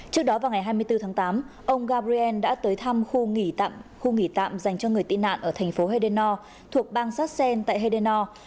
trước đó vào ngày hai mươi bốn tháng tám ông gabriel đã tới thăm khu nghỉ tạm dành cho người tị nạn ở thành phố hedenoor thuộc bang sachsen tại hedenoor